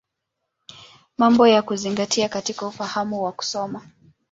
Mambo ya Kuzingatia katika Ufahamu wa Kusoma.